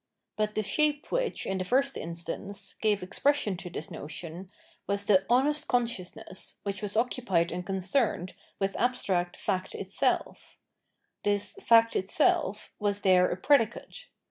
But the shape which, in the first in stance, gave expression to this notion, was the " honest consciousness "* which was occupied and ^ v.p. 402 ff. Conscience 661 concerned with abstract " fact itself." This " fact itself " was there a predicate.